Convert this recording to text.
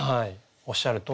おっしゃるとおり。